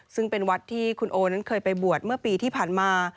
ซึ่งเป็นวัดที่คุณโอนั้นเคยไปบวชเมื่อปีที่ผ่านมา